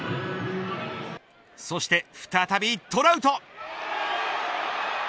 そして再びトラウト。